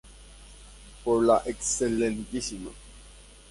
Por la Excma.